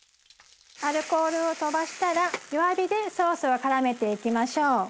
アルコールを飛ばしたら弱火でソースをからめていきましょう。